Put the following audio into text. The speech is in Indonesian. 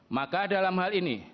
maka dalam hal ini